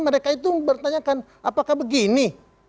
mereka itu bertanyakan apakah begini